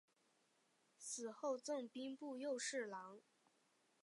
死后赠兵部右侍郎。